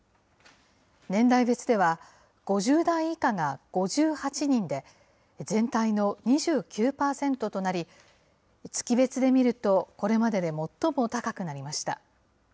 年代別では、５０代以下が５８人で、全体の２９％となり、月別で見ると、これまでで最も高くなりました。